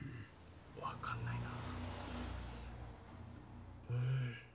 分かんないな。